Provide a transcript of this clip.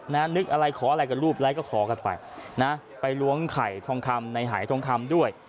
นึกอะไรขออะไรกับรูปไร้ก็ขอกันไปนะไปล้วงไข่ทองคำในหายทองคำด้วย